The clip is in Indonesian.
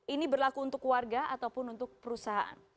ini berlaku untuk warga ataupun untuk perusahaan